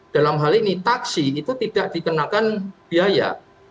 dalam hal ini taksi itu tidak dikenakan biaya